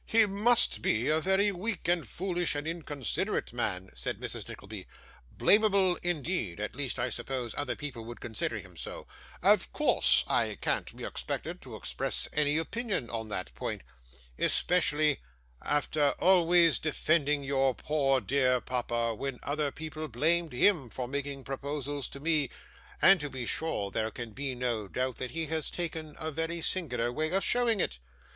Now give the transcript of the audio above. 'He must be a very weak, and foolish, and inconsiderate man,' said Mrs. Nickleby; 'blamable indeed at least I suppose other people would consider him so; of course I can't be expected to express any opinion on that point, especially after always defending your poor dear papa when other people blamed him for making proposals to me; and to be sure there can be no doubt that he has taken a very singular way of showing it.